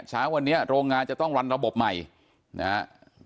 เช้าวันนี้โรงงานจะต้องรันระบบใหม่นะครับ